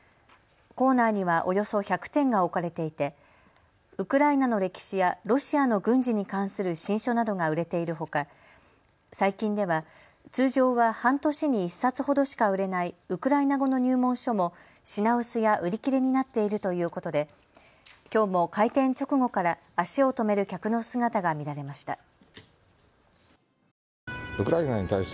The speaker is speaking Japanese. コーナーにはおよそ１００点が置かれていてウクライナの歴史やロシアの軍事に関する新書などが売れているほか最近では通常は半年に１冊ほどしか売れないウクライナ語の入門書も品薄や売り切れになっているということできょうも開店直後から足を止める客の姿が見られました。